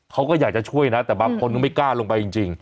เขาก็อยากจะช่วยนะแต่บางคนก็ไม่กล้าลงไปจริง